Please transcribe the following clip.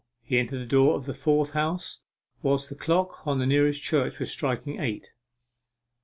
He entered the door of the fourth house whilst the clock of the nearest church was striking eight.